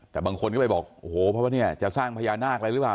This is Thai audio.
แต่บางคนก็ไปบอกโอ้โหเพราะว่าเนี่ยจะสร้างพญานาคอะไรหรือเปล่า